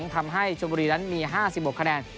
ทำให้ชมบุรีนั้นมี๕๖คะแนน